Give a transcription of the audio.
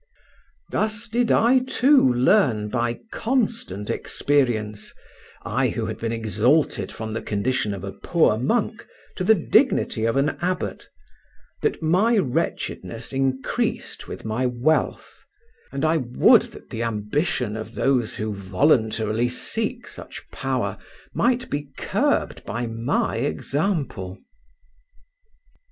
Thus did I too learn by constant experience, I who had been exalted from the condition of a poor monk to the dignity of an abbot, that my wretchedness increased with my wealth; and I would that the ambition of those who voluntarily seek such power might be curbed by my example.